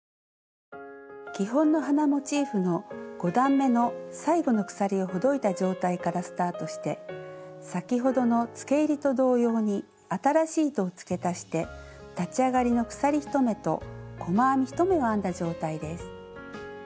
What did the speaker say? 基本の花モチーフの５段めの最後の鎖をほどいた状態からスタートして先ほどのつけえりと同様に新しい糸をつけ足して立ち上がりの鎖１目と細編み１目を編んだ状態です。